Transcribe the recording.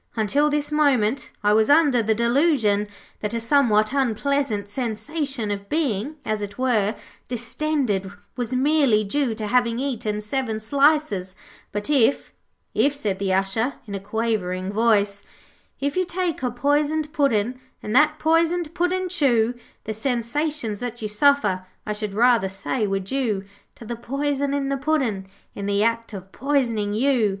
'Until this moment I was under the delusion that a somewhat unpleasant sensation of being, as it were, distended, was merely due to having eaten seven slices. But if ' 'If,' said the Usher, in a quavering voice 'If you take a poisoned Puddin' And that poisoned Puddin' chew The sensations that you suffer I should rather say were due To the poison in the Puddin' In the act of Poisoning You.